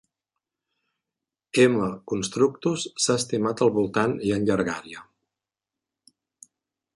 "M. constructus" s'ha estimat al voltant i en llargària.